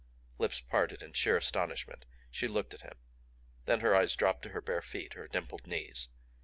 Lips parted in sheer astonishment, she looked at him. Then her eyes dropped to her bare feet, her dimpled knees.